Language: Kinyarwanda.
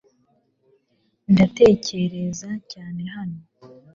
Ndatekereza cyane hano .